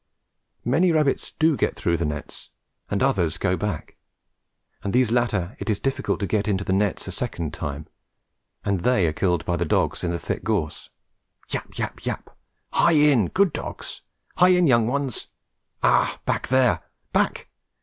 Many rabbits do get through the nets, and others go back, and these latter it is difficult to get into the nets a second time, and they are killed by the dogs in the thick gorse. Yap! yap! yap! "Hie in, good dogs! hie in, young ones! Ah! back there! back!